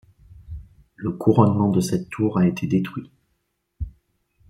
Le couronnement de cette tour a été détruit.